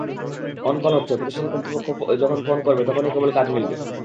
On-call হচ্ছে, প্রতিষ্ঠান কর্তৃপক্ষ যখন ফোন করবে, তখনই কেবল কাজ মিলবে।